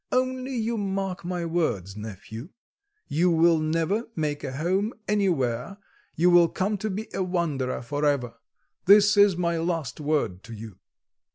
Only you mark my words, nephew; you will never make a home anywhere, you will come to be a wanderer for ever. That is my last word to you."